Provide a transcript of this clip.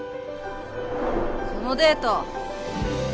そのデート